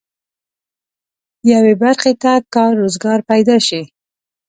یوې برخې ته کار روزګار پيدا شي.